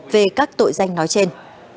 về các tội danh nói trên